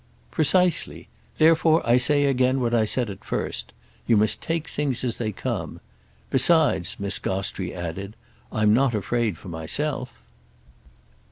"Precisely. Therefore I say again what I said at first. You must take things as they come. Besides," Miss Gostrey added, "I'm not afraid for myself."